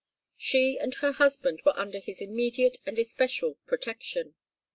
She and her husband were under his immediate and especial protection.